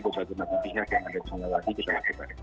pembangunan pihak yang ada di niawati kita lakukan